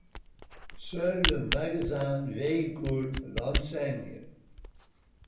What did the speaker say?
Seul le magasin véhicule l’enseigne.